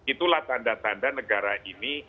itulah tanda tanda negara ini